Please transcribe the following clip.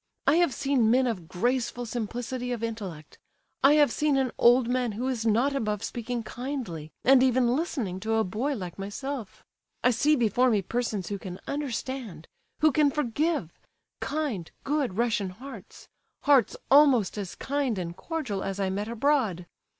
"I have seen men of graceful simplicity of intellect; I have seen an old man who is not above speaking kindly and even listening to a boy like myself; I see before me persons who can understand, who can forgive—kind, good Russian hearts—hearts almost as kind and cordial as I met abroad.